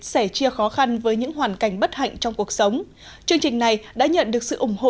sẻ chia khó khăn với những hoàn cảnh bất hạnh trong cuộc sống chương trình này đã nhận được sự ủng hộ